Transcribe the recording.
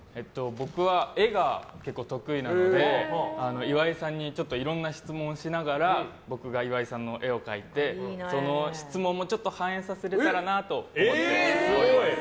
僕は絵が得意なので岩井さんにいろんな質問をしながら僕が岩井さんの絵を描いてその質問もちょっと反映させられたらなと思っています。